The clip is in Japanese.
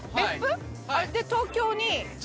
で東京に？